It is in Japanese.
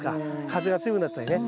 風が強くなったりね。